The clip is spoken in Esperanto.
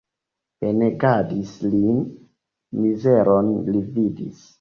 Penegadis li, mizeron li vidis.